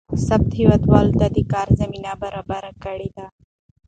ثبات هېوادوالو ته د کار زمینه برابره کړې ده.